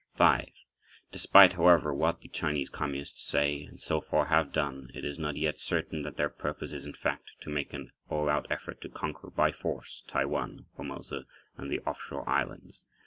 5. Despite, however, what the Chinese Communists say, and so far have done, it is not yet certain that their purpose is in fact to make an allout effort to conquer by force Taiwan (Formosa) and the offshore islands.